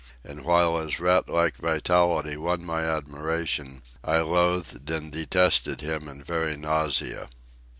And while his rat like vitality won my admiration, I loathed and detested him in very nausea.